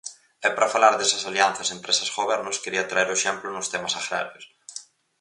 E para falar desas alianzas empresas gobernos quería traer o exemplo nos temas agrarios.